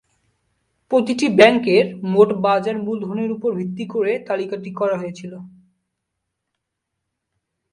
প্রতিটি ব্যাংকের মোট বাজার মূলধনের উপর ভিত্তি করে তালিকাটি করা হয়েছিল।